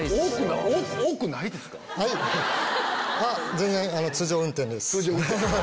全然通常運転です。